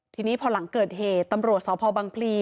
ทีนี้พอหลังเกิดเหตุตำรวจสพบังพลี